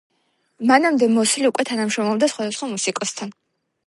მანამდე მოსლი უკვე თანამშრომლობდა სხვადასხვა მუსიკოსთან.